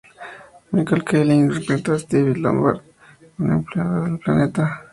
Michael Kelly interpreta a Steve Lombard, un empleado de "El Planeta".